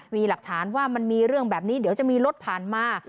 มีหลักฐานว่ามันมีเรื่องแบบนี้เดี๋ยวจะมีรถผ่านมา